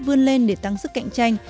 vươn lên để tăng sức cạnh tranh